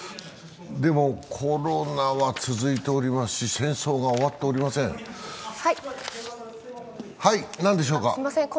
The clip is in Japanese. でもコロナは続いておりますし、戦争は終わっておりません。